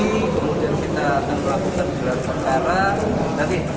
kemudian kita akan berlakukan berlangsung ke arah